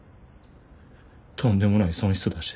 とんでもない損失出して。